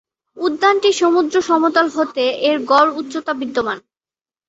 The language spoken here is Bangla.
উদ্যানটি সমুদ্র সমতল হতে এর গড় উচ্চতা বিদ্যমান।